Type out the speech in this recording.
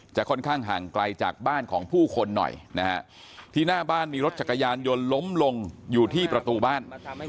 ค่อนข้างห่างไกลจากบ้านของผู้คนหน่อยนะฮะที่หน้าบ้านมีรถจักรยานยนต์ล้มลงอยู่ที่ประตูบ้าน